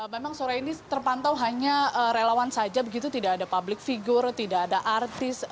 memang sore ini terpantau hanya relawan saja begitu tidak ada public figure tidak ada artis